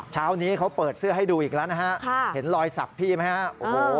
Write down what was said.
เช้านี้เขาเปิดเสื้อให้ดูอีกแล้วนะฮะเห็นรอยสักพี่ไหมฮะโอ้โห